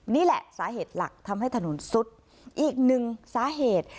นี่แหละสาเหตุหลักทำให้ถนนซุดอีกหนึ่งสาเหตุ